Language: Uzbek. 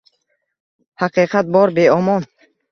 Haqiqat bor beomon.